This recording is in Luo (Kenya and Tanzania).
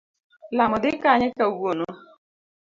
lamo dhi kanye kawuono.